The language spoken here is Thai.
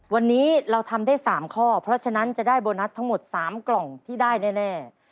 วันนี้เราทำได้๓ข้อเพราะฉะนั้นจะได้โบนัสทั้งหมด๓กล่องที่ได้แน่